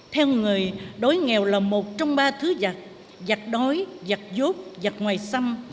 theo người đói nghèo là một trong ba thứ giặc giặc đói giặc giốt giặc ngoài xăm